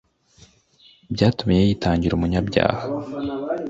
Byatumye yitangir' umunyabyaha.